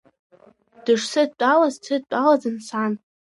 Дышсыдтәалаз дсыдтәалаӡан сан.